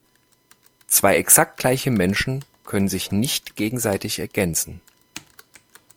Zwei exakt gleiche Menschen können sich nicht gegenseitig ergänzen.